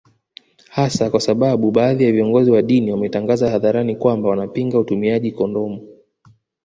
Hasa kwa sababu baadhi ya viongozi wa dini wametangaza hadharani kwamba wanapinga utumiaji kondomu